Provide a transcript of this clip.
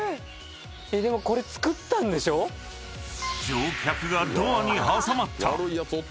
［乗客がドアに挟まった］